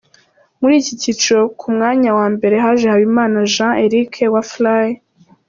Muri iki cyiciro ku mwanya wa mbere haje Habimana Jean Eric wa Fly.